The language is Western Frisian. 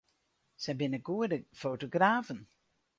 Sy binne goede fotografen.